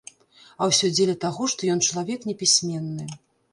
А ўсё дзеля таго, што ён чалавек непісьменны.